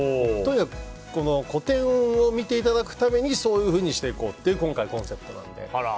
とにかく古典を見ていただくためにそういうふうにしていこうという今回、コンセプトなので。